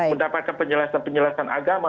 mendapatkan penjelasan penjelasan agama